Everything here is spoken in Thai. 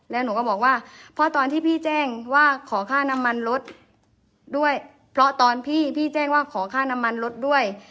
แล้วหนูก็บอกว่าเพราะตอนที่พี่แจ้งว่าขอค่าน้ำมันลดด้วย